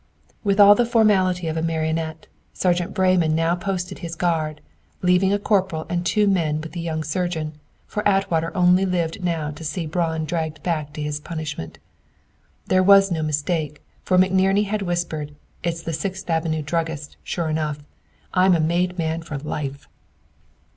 With all the formality of a martinet, Sergeant Breyman now posted his guard, leaving a corporal and two men with the young surgeon, for Atwater only lived now to see Braun dragged back to his punishment. There was no mistake, for McNerney had whispered, "It's the Sixth Avenue druggist, sure enough! I am a made man for life!"